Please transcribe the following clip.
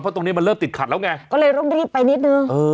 เพราะตรงนี้มันเริ่มติดขัดแล้วไงก็เลยต้องรีบไปนิดนึง